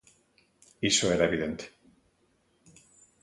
Iso era evidente.